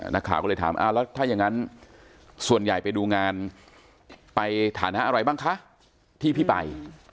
นักข่าวก็เลยถามแล้วถ้าอย่างนั้นส่วนใหญ่ไปดูงานไปฐานะอะไรบ้างคะที่พี่ไป